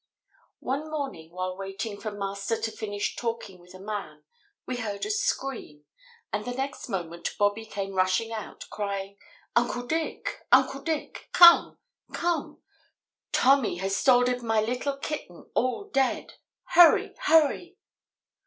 One morning while waiting for Master to finish talking with a man, we heard a scream, and the next moment Bobby came rushing out, crying: "Uncle Dick! Uncle Dick! come! come! Tommy has stalded my little kitten all dead; hurry! hurry!"